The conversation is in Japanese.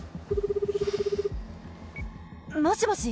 もしもし。